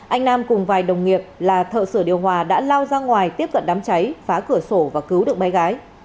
anh nam cùng vài đồng nghiệp là thợ sửa điều hòa đã lao ra ngoài tiếp cận đám cháy phá cửa sổ và cứu được bé gái